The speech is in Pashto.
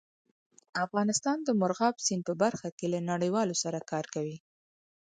افغانستان د مورغاب سیند په برخه کې له نړیوالو سره کار کوي.